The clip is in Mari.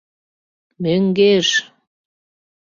Мӧҥгеш!